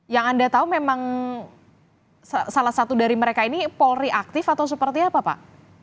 yang anda tahu memang salah satu dari mereka ini polri aktif atau seperti apa pak